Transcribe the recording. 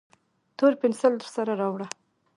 تور پینسیل درسره راوړه